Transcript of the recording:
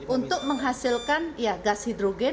untuk menghasilkan gas hidrogen